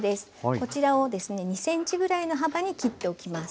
こちらをですね２ｃｍぐらいの幅に切っておきます。